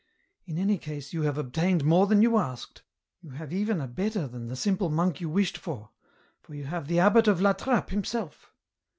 " In any case you have obtained more than you asked , you have even a better than the simple monk you wished for, you have the abbot of La Trappe himself!